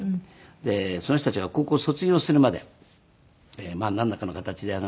でその人たちが高校を卒業するまでまあなんらかの形で。